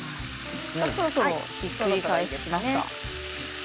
そろそろひっくり返しますか？